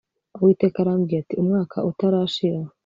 uwiteka arambwiye ati umwaka utarashira